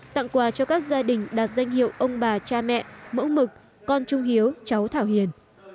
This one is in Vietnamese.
tặng quà cho các gia đình đạt danh hiệu ông bà cha mẹ mẫu mực con trung hiếu cháu thảo hiền